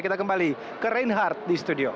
kita kembali ke reinhardt di studio